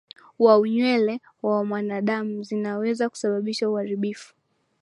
wa unywele wa mwanadamu Zinaweza kusababisha uharibifu